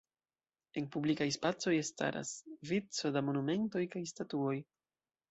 En publikaj spacoj staras vico da monumentoj kaj statuoj.